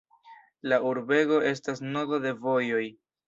La urbego estas nodo de vojoj.